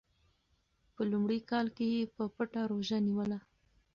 په لومړي کال کې یې په پټه روژه نیوله.